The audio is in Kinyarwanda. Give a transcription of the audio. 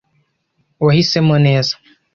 Wahisemo neza.